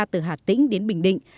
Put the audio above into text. từ hà tĩnh đến bình định